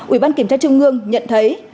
ủy ban kiểm tra trung ương nhận thấy